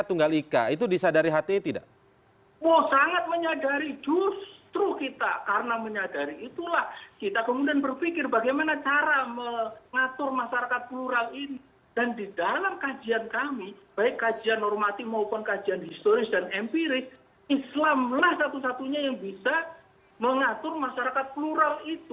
tapi kalau tudingan ini sudah diluncurkan begini rupa